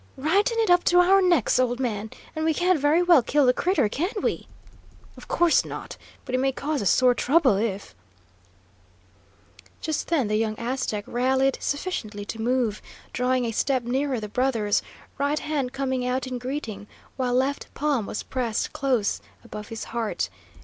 "Right in it, up to our necks, old man! And we can't very well kill the critter, can we?" "Of course not; but it may cause us sore trouble if " Just then the young Aztec rallied sufficiently to move, drawing a step nearer the brothers, right hand coming out in greeting, while left palm was pressed close above his heart.